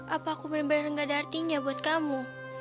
apa aku benar benar gak ada artinya buat kamu